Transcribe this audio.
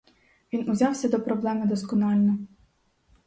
Він узявся до проблеми досконально.